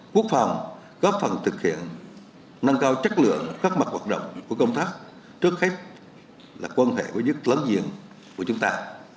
quốc phòng góp phần thực hiện nâng cao chất lượng các mặt hoạt động của công tác trước hết là quan hệ với đức lớn diện của chúng ta